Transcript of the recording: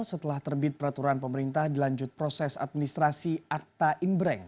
setelah terbit peraturan pemerintah dilanjut proses administrasi akta inbrank